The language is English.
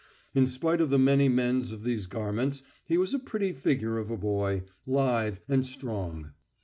In spite of the many mends on these garments he was a pretty figure of a boy, lithe and strong.